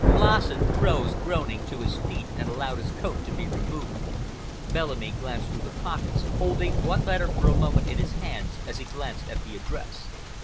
Lassen rose, groaning, to his feet and allowed his coat to be removed. Bellamy glanced through the pockets, holding one letter for a moment in his hands as he glanced at the address.